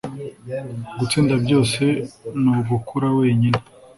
gutsinda byose ni ugukura wenyine